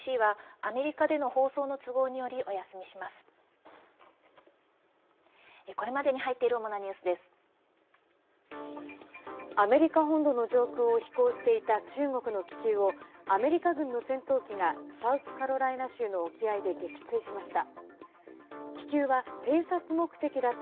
アメリカ本土の上空を飛行していた中国の気球をアメリカ軍の戦闘機がサウスカロライナ州の沖合で撃墜しました。